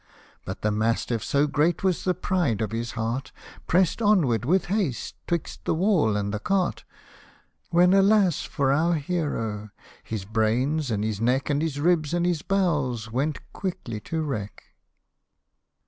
But the mastiff, so great was the pride of his heart, Prest onward with haste 'twixt the wall and the cart ; When alas ! for our hero ! his brains and his neck, And his ribs and his bowels went quickly to wreck